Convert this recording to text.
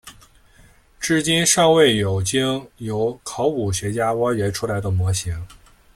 至今尚未有经由考古学家挖掘出来的模型。